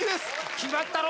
決まったろ？